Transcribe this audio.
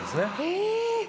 え！